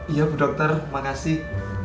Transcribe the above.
iya bu dokter makasih